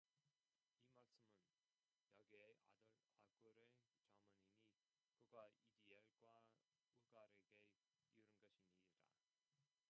이 말씀은 야게의 아들 아굴의 잠언이니 그가 이디엘과 우갈에게 이른 것이니라